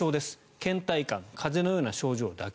けん怠感風邪のような症状だけ。